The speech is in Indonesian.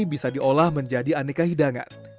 bisa diolah menjadi aneka hidangan